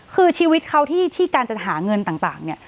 คือชีวิตเขาที่การจะหาเงินต่างเนี่ย